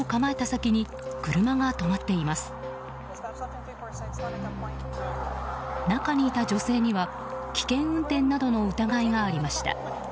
中にいた女性には危険運転などの疑いがありました。